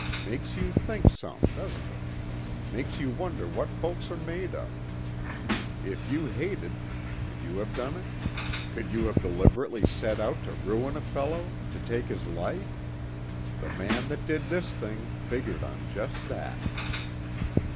"Makes you think some, doesn't it? Makes you wonder what folks are made of. If you hated, could you have done it? Could you have deliberately set out to ruin a fellow to take his life? The man that did this thing figured on just that."